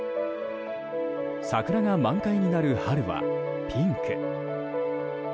桜が満開になる春はピンク。